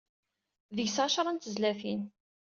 Deg-s εecra n tezlatin.